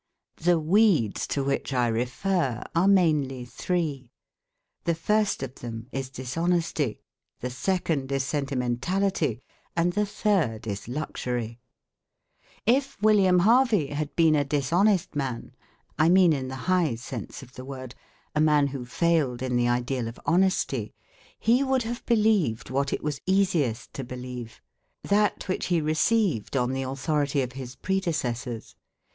The "weeds" to which I refer are mainly three: the first of them is dishonesty, the second is sentimentality, and the third is luxury. If William Harvey had been a dishonest man I mean in the high sense of the word a man who failed in the ideal of honesty he would have believed what it was easiest to believe that which he received on the authority of his predecessors.